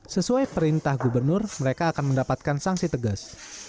sesuai perintah gubernur mereka akan mendapatkan sanksi tegas